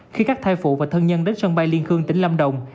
khi các thai phụ và thân nhân đến sân bay liên khương tỉnh lâm đồng